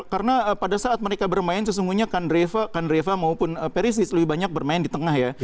karena pada saat mereka bermain sesungguhnya kandreva maupun perisic lebih banyak bermain di tengah ya